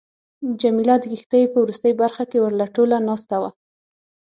جميله د کښتۍ په وروستۍ برخه کې ورله ټوله ناسته وه.